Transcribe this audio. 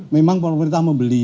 memang pemerintah membeli